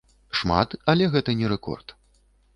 Шмат, але гэта не рэкорд.